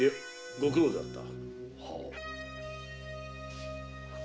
ご苦労であった。